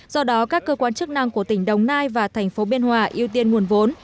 do đó các cơ quan chức năng của tỉnh đồng nai và thành phố biên hòa ưu tiên nguồn vốn